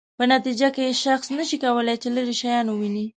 په نتیجه کې شخص نشي کولای چې لیرې شیان وویني.